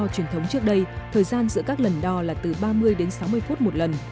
truyền thống trước đây thời gian giữa các lần đo là từ ba mươi đến sáu mươi phút một lần